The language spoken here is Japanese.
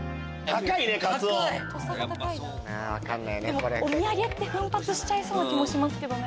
でもお土産って奮発しちゃいそうな気もしますけどね。